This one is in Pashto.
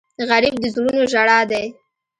غریب د زړونو ژړا دی